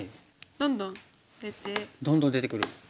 どんどん出てくる。